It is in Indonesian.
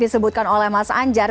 dikutukan oleh mas anjar